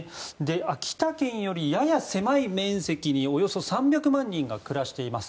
秋田県よりやや狭い面積におよそ３００万人が暮らしています。